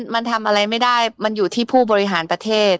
มันทำอะไรไม่ได้มันอยู่ที่ผู้บริหารประเทศ